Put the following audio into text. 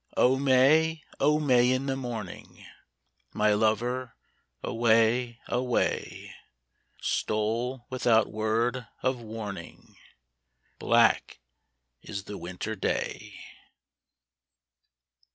O May, O May in the morning ! My lover away, away Stole without word of warning : Black is the winter day